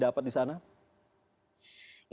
jadi apa sih yang didapat di sana